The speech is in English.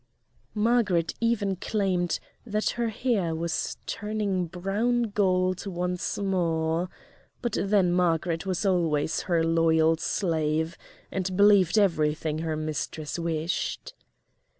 Margaret even claimed that her hair was turning brown gold once more, but then Margaret was always her loyal slave, and believed everything her mistress wished.